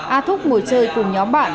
a thúc ngồi chơi cùng nhóm bạn